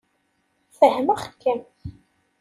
Fehmeɣ-kem.